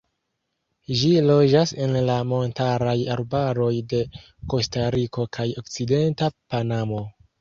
Ĝi loĝas en la montaraj arbaroj de Kostariko kaj okcidenta Panamo.